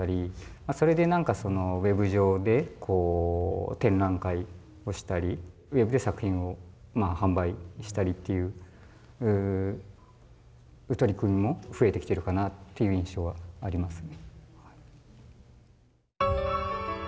まあそれで何かそのウェブ上でこう展覧会をしたりウェブで作品を販売したりという取り組みも増えてきてるかなという印象はありますね。